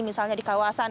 misalnya di kawasan